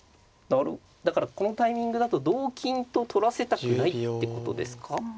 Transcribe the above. だからこのタイミングだと同金と取らせたくないってことですか。